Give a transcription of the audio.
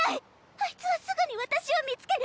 あいつはすぐに私を見つける。